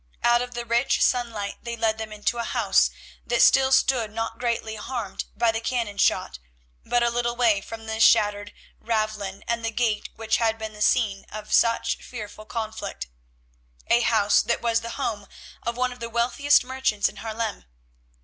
Out of the rich sunlight they led them into a house that still stood not greatly harmed by the cannon shot, but a little way from the shattered Ravelin and the gate which had been the scene of such fearful conflict—a house that was the home of one of the wealthiest merchants in Haarlem.